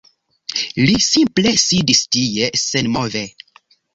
Li simple sidis tie, senmove.